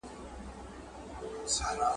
مورنۍ ژبه څنګه د زده کړې روڼتيا زياتوي؟